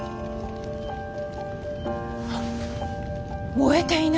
燃えていない！？